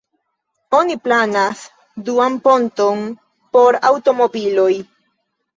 Oni planas duan ponton por aŭtomobiloj.